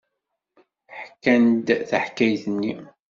Ḥkant-d taḥkayt-nni.